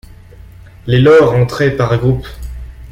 Les lords entraient par groupes.